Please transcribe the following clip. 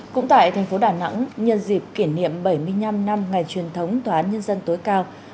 cũng tại thành phố đà nẵng nhân dịp kỷ niệm bảy mươi năm năm ngày truyền thống tòa án nhân dân tối cao